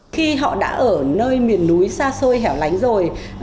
khi họ đã ở nơi miền núi xa xôi hẻo lánh rồi